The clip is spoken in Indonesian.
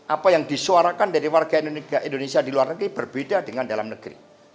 apa yang disuarakan dari warga indonesia di luar negeri berbeda dengan dalam negeri